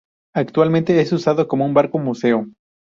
Actualmente es usado como un barco museo.